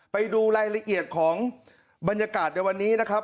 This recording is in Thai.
ไปดูรายละเอียดของบรรยากาศในวันนี้นะครับ